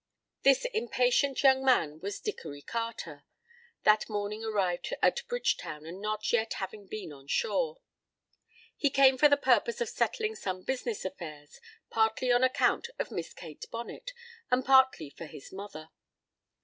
This impatient young man was Dickory Charter, that morning arrived at Bridgetown and not yet having been on shore. He came for the purpose of settling some business affairs, partly on account of Miss Kate Bonnet and partly for his mother.